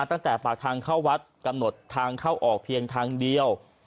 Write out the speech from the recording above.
ตั้งแต่ฝากทางเข้าวัดกำหนดทางเข้าออกเพียงทางเดียว